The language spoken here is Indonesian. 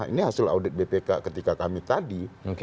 ini hasil audit bpk ketika kami tadi